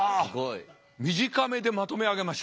短めでまとめ上げました。